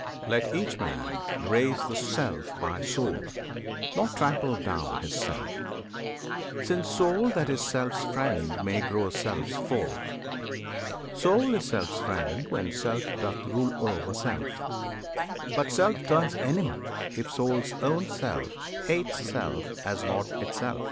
Let each man raise The Self by Soul, not trample down his Self, Since Soul that is Self's friend may grow Self's foe. Soul is Self's friend when Self doth rule o'er Self, But Self turns enemy if Soul's own self Hates Self as not itself.